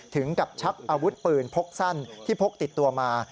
ถึงกับชักอาวุธปืนพกสั้นที่พกติดตัวมา